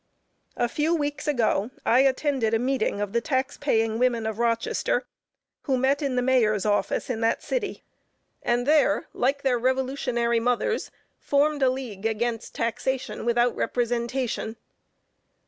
A few weeks ago I attended a meeting of the tax paying women of Rochester who met in the Mayor's office in that city, and there, like their revolutionary mothers, formed a league against taxation without representation.